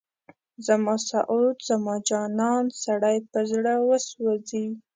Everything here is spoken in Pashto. زما سعود، زما جانان، سړی په زړه وسوځي